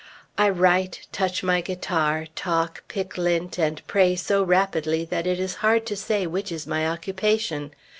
I write, touch my guitar, talk, pick lint, and pray so rapidly that it is hard to say which is my occupation.